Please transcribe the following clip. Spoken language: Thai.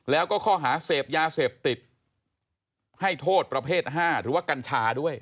แล้วก็ข้อหาเสพยาเสพติดให้โทษประเภท๕หรือว่ากัญชาด้วย